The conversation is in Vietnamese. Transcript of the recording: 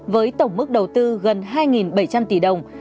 với tổng mức đầu tư gần hai bảy trăm linh tỷ đồng